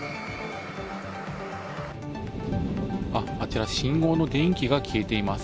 あっ、あちら、信号の電気が消えています。